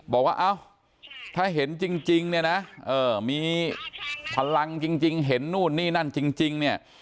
บอกว่าเอ้าถ้าเห็นจริงเนี่ยนะมีพลังจริงเห็นนู่นนี่นั่นจริงเนี่ย